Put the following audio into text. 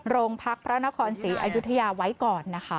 โรงพักพระนครศรีอยุธยาไว้ก่อนนะคะ